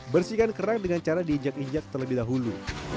bersihkan kerang dengan cara diinjak injak terlebih dahulu